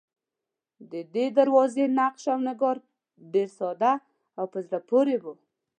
ددې دروازې نقش و نگار ډېر ساده او په زړه پورې و.